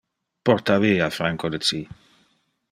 Porta via Franco de ci.